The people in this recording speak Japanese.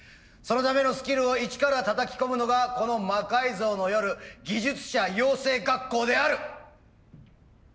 そのためのスキルを一からたたき込むのがこの「魔改造の夜技術者養成学校」である。